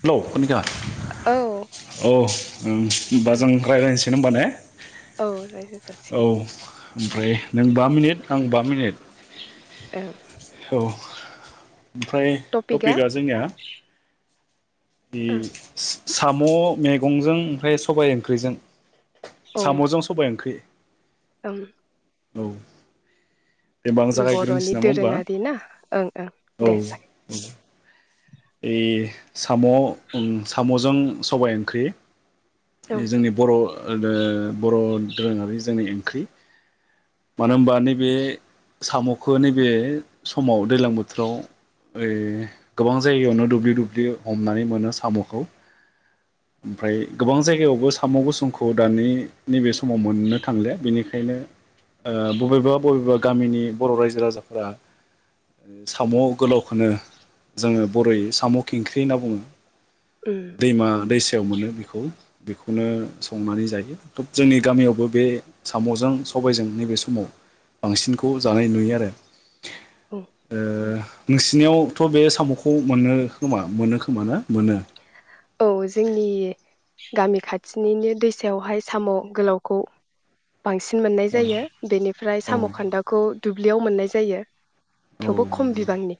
Hello खनिखा औ औ ओ होमबा जों रायज्लायनोसै होमबा ने औ रायजो औ जासिगोन ओमफ्राय नों बा मिनिट आं बा मिनिट ओं औ ओमफ्राय टपिकआ जोंनिया औ इस साम मैगंजों ओमफ्राय सबाय ओंख्रिजों सामजों सबाय ओंख्रि ओम औ जेनेबा आं बरनि जागायग्रोनोसै नामा होमबा दोरोङारि ना ओं ओं दे जागाय ऐ साम ओम सामजों सबाय ओंख्रि जागोन जोंनि बर बर दोरोङारि जोंनि ओंख्रि मानो होनबा नैबे सामखौ नैबे समाव दैलां ए बोथोराव गोबां जायगायावनो दुब्लि दुब्लि हमनानै मोनो साम'खौ। ओमफ्राय गोबां जायगायावबो साम' गुसुंखौ दानि नैबे समाव मोननो थांलि बेनिखायनो बबेबा बबेबा गामिनि बर' रायजो राजाफोरा साम‌ गोलावखौनो जोङो बर'यै साम' खिंख्रि होनना बुङो। ओं दैमा दैसा याव मोनो बेखौ बेखौनो संनानै जायो। थब जोंनि गामियावबो बे साम'जों सबायजों नैबे समाव बांसिनखौ जानाय नुयो आरो। ओं ओ नोंसिनियावथ' बे साम'खौ मोनो खोमा मोनो खोमा ना मोनो। औ जोंनि गामि खाथिनिनो दैसायावहाय साम' गोलावखौ बांसिन मोननाय जायो औ बेनिफ्राय साम' खान्दाखौ दु ब्लियाव मोननाय जायो। औ थेवबो खम बिबांनि।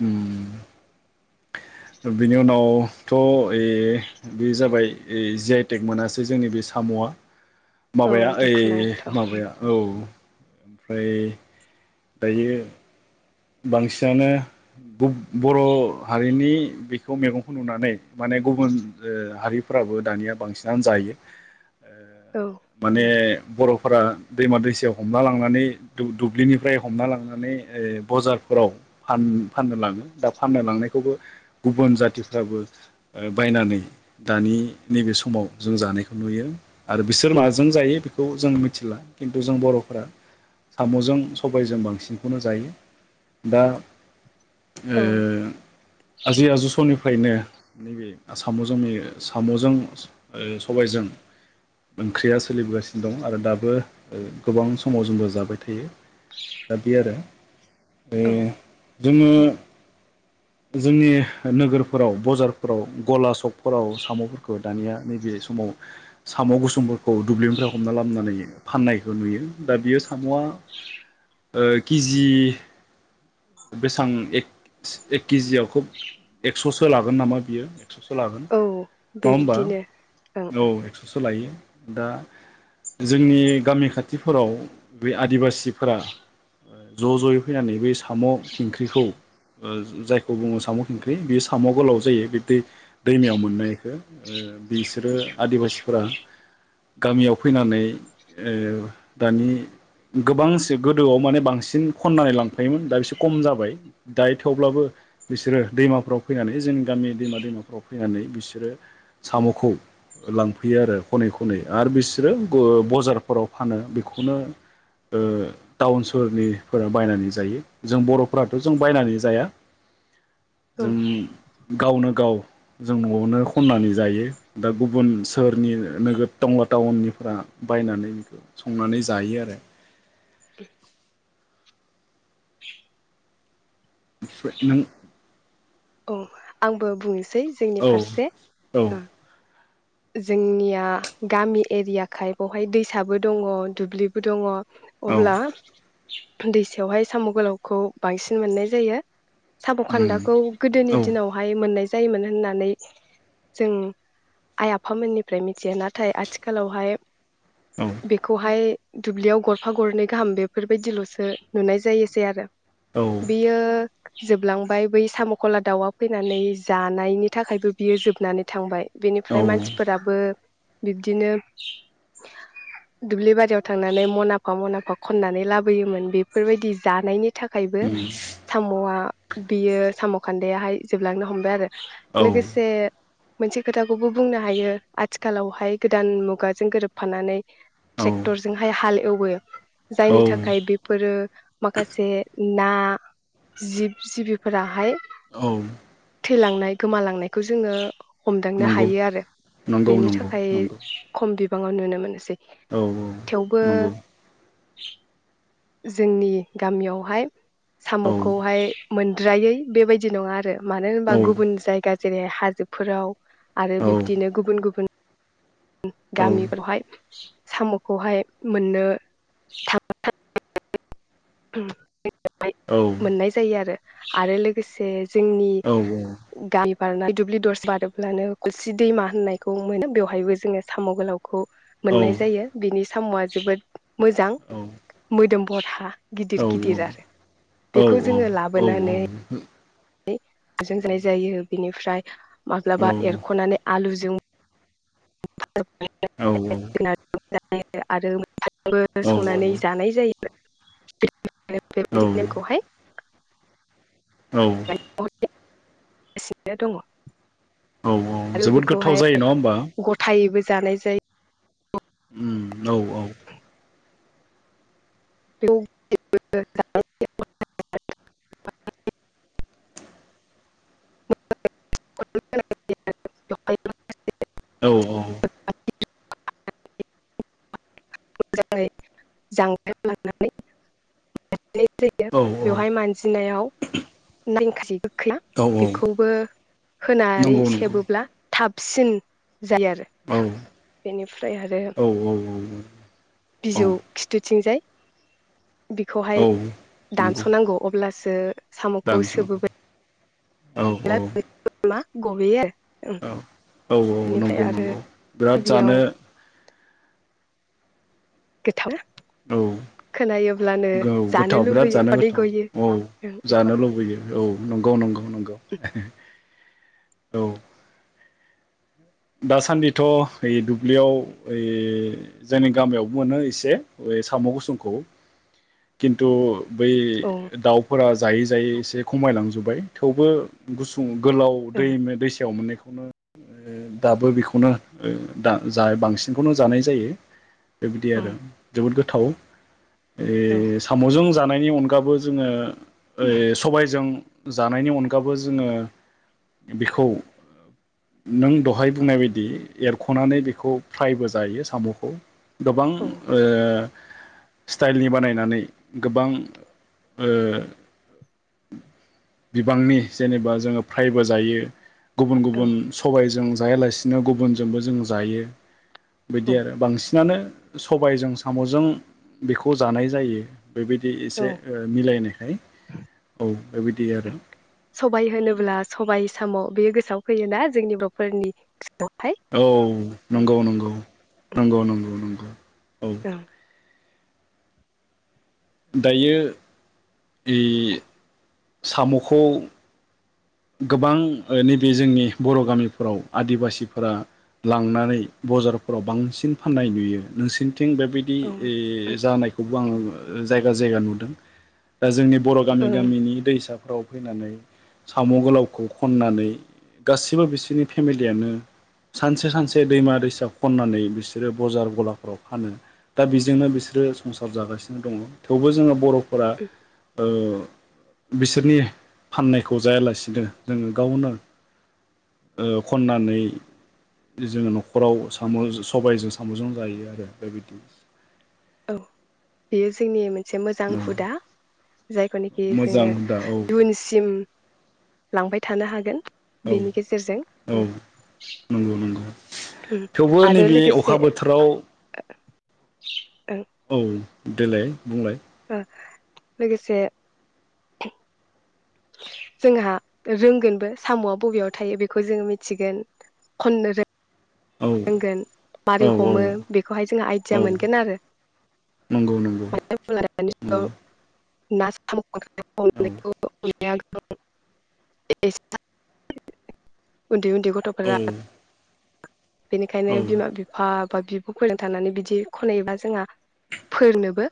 उम थ ए बे जाबाय जि आइ टेक मोनासै जोंनि बे साम'आ। औ माबाया ओइ दुखुनांथाव माबाया औ। ओमफ्राय दायो बांसिनानो ब-बर' हारिनि बेखौ मेगंखौ नुनानै माने गुबुन ओ हारिफोराबो दानिया बांसिनानो जायो। ओ औ माने बर'फोरा दैमा दैसायाव हमना लांनानै दु-दुब्लिनिफ्राय हमना लांनानै ओ बजारफोराव फान-फाननो लाङो दा फाननो लांनायखौबो गुबुन जाथिफ्राबो ओ बायनानै दानि नैबे समाव जों जानायखौ नुयो आरो बिसोर माजों जायो बेखौ जों मिथिला खिन्थु जों बर'फोरा साम'जों सबायजों बांसिनखौनो जायो। दा ओ औ आजै आजौ समनि फ्रायनो नैबे साम जंनि सामजों ओ सबायजों ओंख्रिया सोलिबोगासिनो दं आरो दाबो ओ गोबां समाव जोंबो जाबाय थायो दा बे आरो। औ बे जोङो जोंनि नोगोरफोराव बजारफोराव गला सकफोराव साम'फोरखौ दानिया नैबे समाव साम' गुसुंफोरखौ दुब्लिनिफ्राय हमना लाबनानै फाननायखौ नुयो दा बियो साम'आ ओ किजि बेसां एक सि एक केजियाव खोब एक्ससो लागोन नामा बियो? एक्ससो लागोन औ नङा होमबा बेबादिनो ओं औ एक्ससो लायो। दा जोंनि गामि खाथिफोराव बे आदिबासिफोरा ज' ज'यै फैनानै साम' खिंख्रिखौ ओ जायखौ बुङो साम' खिंख्रि बेयो साम' गोलाव जायो बे दै-दैमायाव मोननायखो ओ बिसोरो आदिबासिफोरा गामियाव फैनानै ओ दानि गोबांसो गोदोआव माने बांसिन खननानै लांफायोमोन। दा बिसोर कम जाबाय दायो थेवब्लाबो बिसोरो दैमाफ्राव फैनानै जोंनि गामि दैमा दैमाफोराव फैनानै बिसोरो साम'खौ ओ लांफैयो आरो खनै खनै आरो बिसोरो ग बजारफोराव फानो बेखौनो ओ टाउन सोहोरनिफोरा बायनानै जायो। जों बरफ्राथ' जों बायनानै जाया। औ। जों गावनो गाव जों न'आवनो खननानै जायो दा गुबुन सोहोरनि नोगोर टंला टाउननिफोरा बायनानै बेखौ संनानै जायो आरो। नों औ आंबो बुंनोसै सै जोंनि फारसे औ ओ जोंनिया गामि एरियाखाय बावहाय दैसाबो दङ' दुब्लिबो दङ' औ अब्ला दैसायावहाय साम' गोलावखौ बांसिन मोननाय जायो। साम' उम खान्दाखौ गोदोनि औ दिनावहाय मोननाय जायोमोन होननानै जों आइ आफामोननिफ्राय मिथियो नाथाय आथिखालावहाय औ बेखौहाय दुब्लियाव गरफा गरनै गाहाम बेफोर बायदिलसो नुनाय जायोसै आरो औ बियो जोबलांबाय बै सामखला दाउआ फैनानै जानायनि थाखायबो बियो जोबनानै थांबाय औ ओमफ्राय उम मानसिफोराबो बिब्दिनो दुब्लि बारियाव थांनानै मनाफा मनाफा खननानै लाबोयोमोन बेफोरबायदि जानायनि नि थाखायबो सामआ बियो साम खान्दाहाय जोबलांनो हमबाय आरो औ लोगोसे मोनसे खोथा खौबो बुंनो हायो आथिखालावहाय गोदान मुगाजों गोरोबफानानै औ ट्रेक्टरजोंहाय हाल एवो औ जायनि थाखाय बेफोरो माखासे ना जिब जिबिफोराहाय औ थैलांनाय गोमालांनायखौ जोङो हमदांनो हा नंगौ हायो आरो नंगौ बेनि नंगौ थाखाय नंगौ खम [unintelligible] नुनो मोनसै औ औ नंगौ [inaudible] जोंनि गामियावहाय औ सामखौहाय मोन द्रायै बेबायदि नङा आरो मानो औ होनबा गुबुन जायगा जेरै हाजोफोराव आरो औ बिब्दिनो गुबुन गुबुन गामिफोरावहाय सामखौहाय मोननो [inaudible] उम [inaudible] मोननाय जायो आरो आरो लोगोसे जोंनि औ औ गाम [unintelligible] दुब्लि दरसे बारोब्लानो बोरसि दैमा होननायखौ मोनो बेवहायबो जोङो साम' गोलाव खौ औ मोननाय जायो बिनि साम'आ जोबोद मोजां मोदोम बरहा औ गिदिर औ गिदिर आरो बेखौ जोङो लाबोनानै नै [unintelligible] जा जायो। बिनिफ्राय माब्लाबा एरख'नानै आलुजों [unintelligible] [unintelligible] आरो [unintelligible] बो औ संनानै जानाय जायो। [unintelligible] औ बेबायदि नेमखौहाय औ। एसे दङ। औ औ आरो जोबोद गोथाव बेखौहाय जायो नङा होमबा? गथायैबो जानाय जायो। होम औ औ। [unintelligible] [unintelligible] औ औ। [unintelligible] मोजाङै [unintelligible] लानानै [unintelligible] जायो औ बेवहाय मानजिनायाव [unintelligible] [unintelligible] औ [unintelligible] औ बेखौबो होनानै नंगौ नंगौ सेबोब्ला थाबसिन जायो आरो औ बेनिफ्राय आरो औ औ बिजौ खिथु थिंजाय औ बिखौहाय नंगौ दानस'नांगौ अब्ला सो सामखौ दानस'नांगौ सोबोबाय औ औ गबोयो आरो औ औ औ बेनिफ्राय नंगौ आरो नंगौ बिराद गिबियाव जानो गोथाव औ खोनायोब्लानो गौ जानो गोथाव बिराद लुबैयो जानो उदै गोथाव गयो औ जानो लुबैयो औ नंगौ नंगौ नं नंगौ [inaudible] औ दासान्दिथ ओइ दुब्लियाव ओइ जोंनि गामियावबो मोनो एसे ओइ साम गुसुंखौ किन्तु बै औ दाउफोरा जायै जायै एसे खमायलांजोब्बाय थेवबो गुसुं गोलाव औ दैम दैसायाव मोनै खौनो दाबो बेखौनो ओ दा जा बांसिनखौनो जानाय जायो बेबादि औ आरो जोबोद गोथ थाव ए सामजों जानायनि अनगाबो जोङो ओइ सबायजों जानायनि अनगाबो जोङो बेखौ नों दहाय बुंनाय बायदि एरखनानै बेखौ फ्रायबो जायो सामखौ गोबां औ ओ स्टाइलनि बानायनानै गोबां ओ बिबांनि जेनेबा जोङो फ्रायबो जायो गुबुन औ गुबुन सबायजों जायालासिनो गुबुनजोंबो जों जायो बिदि आरो बांसिनानो सबायजों सामजों बेखौ जानाय जायो बेबायदि एसे औ ओ मिलायनाय हाय औ बेबायदि आरो सबाय होनोब्ला सबाय साम बेयो गोसोआव फैयोना जोंनि ब्रफोरनि औ नंगौ नंगौ नंगौ नंगौ नंगौ औ दायो इ सामखौ गोबां नैबे जोंनि बर' गामिफोराव आदिबासिफोरा लांनानै बाजारफोराव बांसिन फाननाय नुयो नोंसिनि थिं बेबायदि औ जानायखौ खौ आं जायगा जायगा नुदों दा जोंनि बर' गामि गामिनि दैसा गाव फैनानै साम गोलावखौ खननानै गासिबो बिसोरनि फेमिलियानो सानसे सानसे दैमा दैसा खननानै बिसोरो बजार गलाफ्राव फानो दा बेजोंनो बिसोरो संसार जागासिनो दङ थेवबो जोङो बर' फरा ओ बिसोरनि फाननाय खौ जायालासिनो जोङो गावनो ओ खननानै जोङो नखराव साम सबायाइजों सामजोंजों जायो आरो बेबायदि औ बेयो जोंनि मोन से मोजां औ हुदा जों जायखौनोखि मोजां जोङो हुदा औ दुनसिम लांबाय थानो हागोन औ बेनि गेजेरजों औ नंगौ नंगौ थेवबो आरो नैबे अखा बोथोराव दाव गाबनाय औ देलाय बुंलाय। ओ लोगोसे जोंहा रोंगोनबो सामआ बबेयाव थायो बेखौ जोङो मिथिगोन खननो रोंग औ नांगोन मारै औ औ हमो बेखौहाय जों आइडिया औ मोनगोन आरो नंगौ नंगौ मानो होनोब्ला दानि जुगाव नंगौ ना साम' औ [unintelligible] [unintelligible] उन्दै उन्दै गथफोरा औ बेनिखायनो औ बिमा बिफा बिबफोरजों थांनानै बिदि खनैयोबा जोंहा फोरनोबो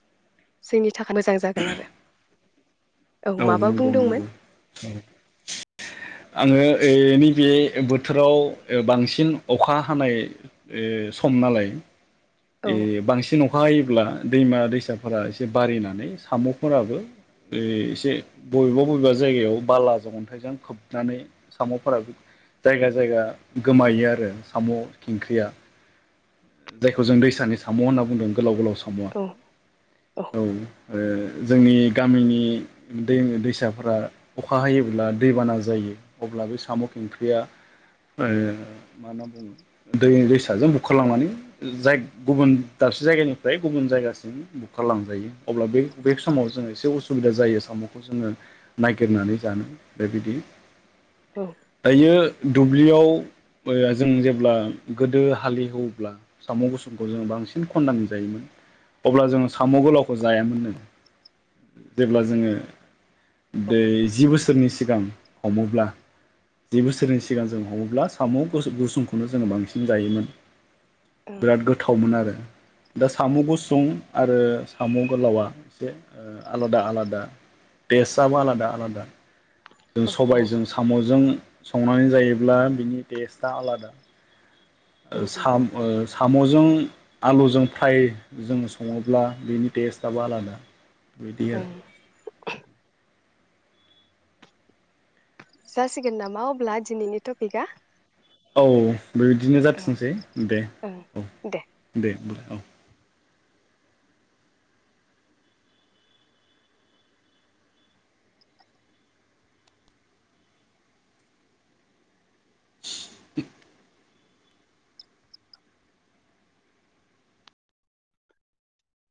जोंनि थाखाय मोजां जागोन आरो औ माबा नंगौ बुंदोंमोन नंगौ औ आङो ओनि बे बोथोराव बांसिन अखा हानाय ओ सम नालाय औ ए बांसिन नख अखा हायोब्ला दैमा दैसाफोरा एसे बारिनानै सामफोराबो एसे बबेबा बबेबा जायगायाव बालाजों अन्थाइजों खोबनानै सामफोरा जायगा जायगा गोमायो आरो साम खिंखंख्रिया जायखौ जों दैसानि साम होनना बुंदों गोलाव गोलाव सामा औ औ ओ जोंनि गामिनि दैमा दैसाफोरा अखा हायोब्ला दैबाना जायो, अब्ला बे साम खिंख्रिया ओ मा होनना बुङो दैमा दैसाजों बुखारलांनानै जाय गुबुन दाबसे जायगानिफ्राय गुबुन जायगासिम बुखारलांजायो। अब्ला बे बे समाव जोङो एसे उस सुबिदा जायो साम'खौ जोङो ननायागिरनानै जानो बेबायदि औ दायो दुब्लियाव ओ जों जेब्ला गोदो हालेहेवोब्ला साम' गुसुंखौ जोङो बांसिन खन्नानै जायोमोन अब्ला जोङो साम' गोलावखौ जायामोननो जेब्ला जोङो दै जि बोसोरनि सिगां हमोब्ला जि बोसोरनि सिगां जों हमोब्ला साम' गु-गुसुंखौनो जोङो बांसिन जायोमोन बिराद गोथावमोन आरो दा साम' गुसुं आरो साम' गोलावा एसे आलादा आलादा टेस्टआबो आलादा आलादा जों औ सबायजों साम'जों संनानै जायोब्ला बिनि टेस्टआ आलादा ओ साम ओ जों आलुजों फाय जों सङोब्ला बेनि टेस्ट आबो आलादा बेदि औ आरो जासिगोन नामा अब्ला दिनैनि टपिकआ औ औ बिदिनो ओं जाथोथोंसै दे ओं औ दे दे होमबालाय औ [unintelligible]